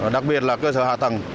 đặc biệt là cơ sở hạ tầng